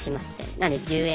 なので１０円。